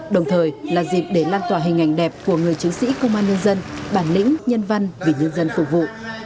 đồng thời là dịp để lan tỏa hình ảnh đẹp của người chiến sĩ công an nhân dân bản lĩnh nhân văn vì nhân dân phục vụ